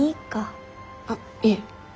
あっいえ。